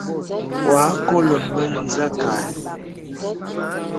Wɔ a nkɔlə mə zə̀ kâ ə̀.